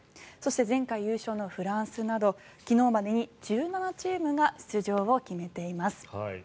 そして前回優勝のフランスなど昨日までに１７チームが出場を決めています。